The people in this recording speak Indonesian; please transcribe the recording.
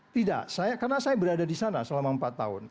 tidak karena saya berada di sana selama empat tahun